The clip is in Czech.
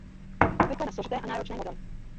Obvykle na složité a náročné modely.